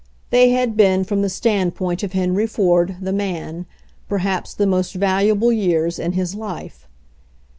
They had been, from the standpoint of Henry Ford, the man, perhaps the most valuable years in his life.